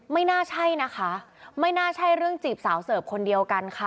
ไม่น่าใช่นะคะไม่น่าใช่เรื่องจีบสาวเสิร์ฟคนเดียวกันค่ะ